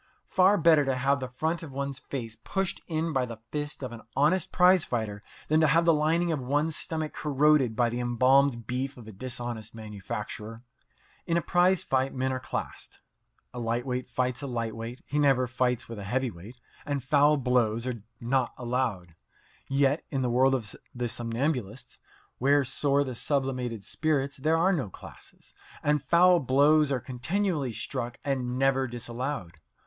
Far better to have the front of one's face pushed in by the fist of an honest prize fighter than to have the lining of one's stomach corroded by the embalmed beef of a dishonest manufacturer. In a prize fight men are classed. A lightweight fights with a light weight; he never fights with a heavy weight, and foul blows are not allowed. Yet in the world of the somnambulists, where soar the sublimated spirits, there are no classes, and foul blows are continually struck and never disallowed.